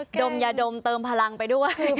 ดมยาดมเติมพลังไปด้วย